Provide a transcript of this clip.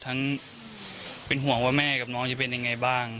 ทั้งเป็นห่วงว่าแม่กับน้องจะเป็นยังไงบ้าง